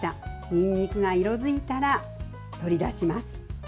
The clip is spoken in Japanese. にんにくが色づいたら取り出します。